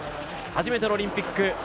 初めてのオリンピック。